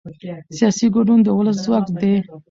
سیاسي ګډون د ولس ځواک دی